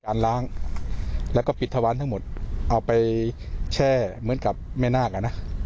ล้างแล้วก็ปิดทะวันทั้งหมดเอาไปแช่เหมือนกับแม่นาคอนะ